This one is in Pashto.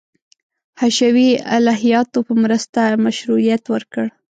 حشوي الهیاتو په مرسته مشروعیت ورکړ.